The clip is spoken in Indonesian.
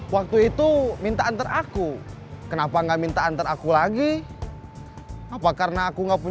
hati hati saat beroperasi jangan sampai ketahuan dan tergetat lagi terus kamu masuk penjara lagi